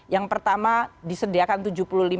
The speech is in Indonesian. yang pertama disediakan tujuh